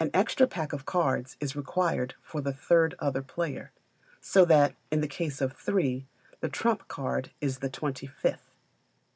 An extra pack of cards is required for the third other player; so that, in the case of three, the trump card is the twenty fifth.